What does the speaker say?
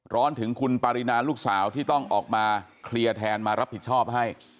ร้อนถึงคุณปารินาลูกสาวที่ต้องออกมาเคลียร์แทนมารับผิดชอบให้